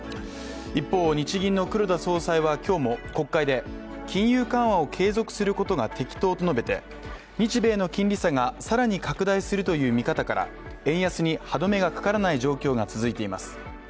一方、日銀の黒田総裁は今日も国会で金融緩和を継続することが適当と述べて日米の金利差が更に拡大するという見方から円安に歯どめがかからない状況が続いています